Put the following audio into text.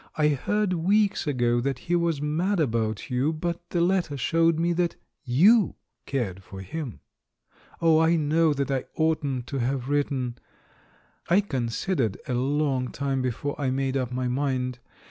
I heard weeks ago that he was mad about you, but the letter showed me that you cared for him. Oh, I know that I oughtn't to have written ! I considered a long time before I made up my mind.